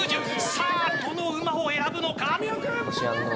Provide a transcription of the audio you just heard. さあ、どのうまを選ぶのか。